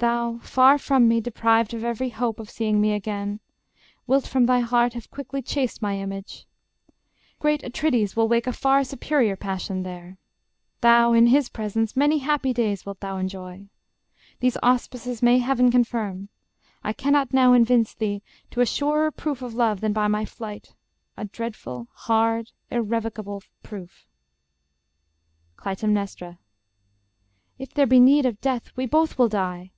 Thou, far from me, deprived of every hope Of seeing me again, wilt from thy heart Have quickly chased my image: great Atrides Will wake a far superior passion there; Thou, in his presence, many happy days Wilt thou enjoy These auspices may Heaven Confirm I cannot now evince to thee A surer proof of love than by my flight; ... A dreadful, hard, irrevocable proof. Clytemnestra If there be need of death, we both will die!